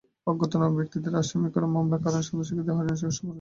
অজ্ঞাতনামা ব্যক্তিদের আসামি করে মামলার কারণে সাধারণ শিক্ষার্থীরা হয়রানি আশঙ্কা করছেন।